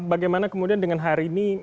bagaimana kemudian dengan hari ini